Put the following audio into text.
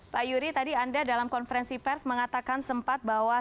pak yuri tadi anda dalam konferensi pers mengatakan sempat bahwa